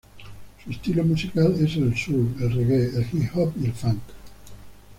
Su estilo musical es el soul, el reggae, el hip hop y el funk.